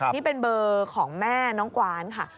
นี่เป็นเบอร์ของแม่น้องกวานค่ะ